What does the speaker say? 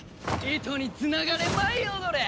糸に繋がれ舞い踊れ！